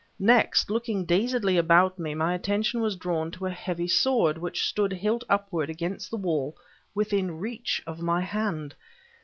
Next, looking dazedly about me, my attention was drawn to a heavy sword which stood hilt upward against the wall within reach of my hand.